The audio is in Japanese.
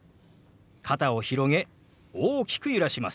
肩を広げ大きく揺らします。